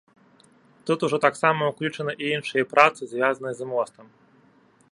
Тут ужо таксама ўключаны і іншыя працы, звязаныя з мостам.